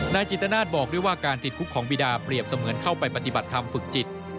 จิตนาศบอกด้วยว่าการติดคุกของบีดาเปรียบเสมือนเข้าไปปฏิบัติธรรมฝึกจิต